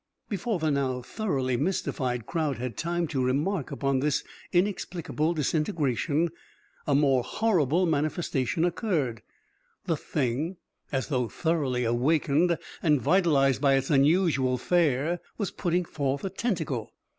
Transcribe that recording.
Before the now thoroughly mystified crowd had time to remark upon this inexplicable disintegration, a more horrible manifestation occurred. The Thing, as though thoroughly awakened and vitalized by its unusual fare, was putting forth a tentacle.